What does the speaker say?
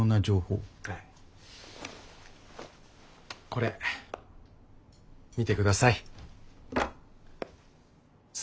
これ見て下さい。